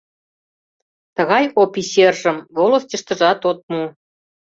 Тугай опичержым волостьыштыжат от му.